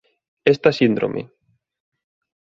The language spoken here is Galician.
Esta síndrome.